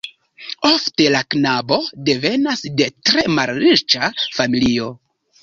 Ofte la knabo devenas de tre malriĉa familio.